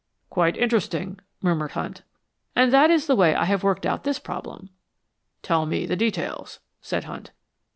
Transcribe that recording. "Quite interesting," murmured Hunt. "And that is the way I have worked out this problem." "Tell me the details," said Hunt.